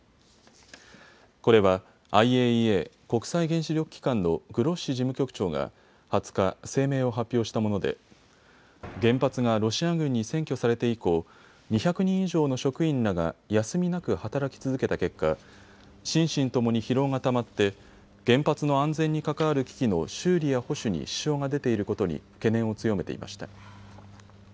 これはＩＡＥＡ・国際原子力機関のグロッシ事務局長が２０日、声明を発表したもので原発がロシア軍に占拠されて以降、２００人以上の職員らが休みなく働き続けた結果、心身ともに疲労がたまって原発の安全に関わる機器の修理や保守に支障が出ていることに懸念を強めていました。